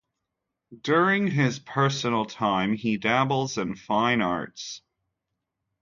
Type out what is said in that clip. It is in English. During his personal time he dabbles in fine arts.